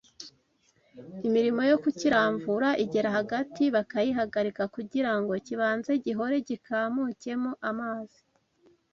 Imirimo yo kukiramvura igera hagati bakayihagarika kugirango kibanze gihore, gikamukemo amazi